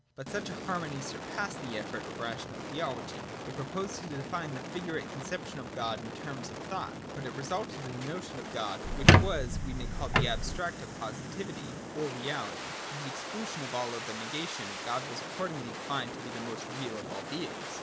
But such a harmony surpassed the efforts of rational theology. It proposed to define the figu rate conception of God in terms of thought ; but it resulted in a notion of God which was what we may call the abstract of positivity or reality, to the exclusion of all negation. God was accordingly defined to be the most real of all beings.